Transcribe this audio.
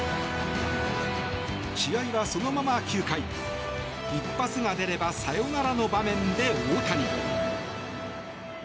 試合は、そのまま９回一発が出ればサヨナラの場面で大谷。